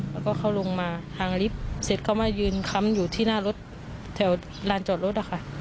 แล้วก็เขาลงมาทางลิฟท์เสร็จเขามายืนค้ำอยู่ที่หน้ารถแถวลานจอดรถอะค่ะ